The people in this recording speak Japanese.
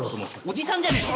おじさんじゃねえか。